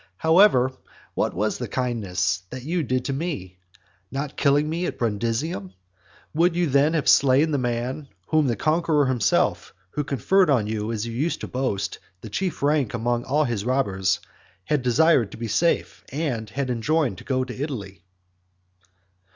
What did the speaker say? However, what was the kindness that you did me? not killing me at Brundusium? Would you then have slain the man whom the conqueror himself, who conferred on you, as you used to boast, the chief rank among all his robbers, had desired to be safe, and had enjoined to go to Italy?